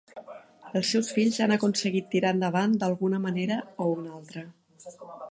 Els seus fills han aconseguit tirar endavant d'alguna manera o una altra.